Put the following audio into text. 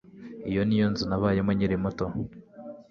Iyi ni yo nzu nabayemo nkiri muto